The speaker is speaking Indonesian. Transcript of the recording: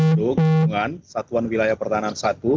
untuk hubungan satuan wilayah pertahanan i